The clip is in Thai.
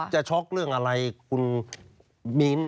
จะช็อคเรื่องอะไรคุณมีน